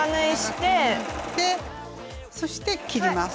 そして切ります。